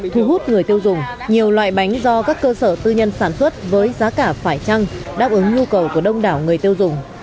thu hút người tiêu dùng nhiều loại bánh do các cơ sở tư nhân sản xuất với giá cả phải trăng đáp ứng nhu cầu của đông đảo người tiêu dùng